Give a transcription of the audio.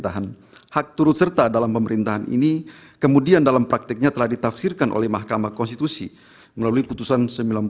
hak turut serta dalam pemerintahan ini kemudian dalam praktiknya telah ditafsirkan oleh mahkamah konstitusi melalui putusan sembilan puluh dua ribu dua puluh tiga